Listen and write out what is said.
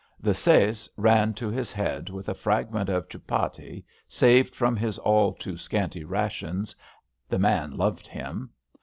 '' The sais ran to his head with a fragment of chupatti, saved from his all too scanty rations; the man loved him.